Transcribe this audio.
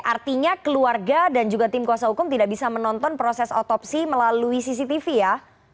artinya keluarga dan juga tim kuasa hukum tidak bisa menonton proses otopsi melalui cctv ya